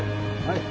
はい？